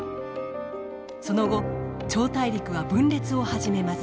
その後超大陸は分裂を始めます。